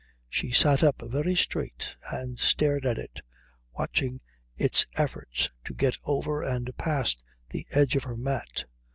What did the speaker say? She sat up very straight and stared at it, watching its efforts to get over and past the edge of her mat.